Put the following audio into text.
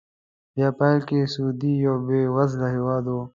په پیل کې سعودي یو بې وزله هېواد و.